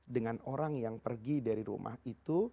dengan orang yang pergi dari rumah itu